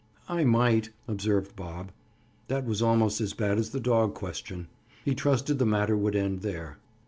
"I might," observed Bob. That was almost as bad as the dog question. He trusted the matter would end there.